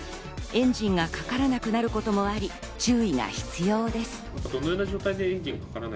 エンジンがかからなくなることもあり注意が必要です。